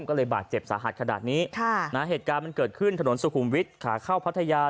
ก็เลยบาดเจ็บสาหัสขนาดนี้ค่ะนะเหตุการณ์มันเกิดขึ้นถนนสุขุมวิทย์ขาเข้าพัทยา